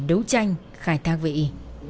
đấu tranh khai thác vệ y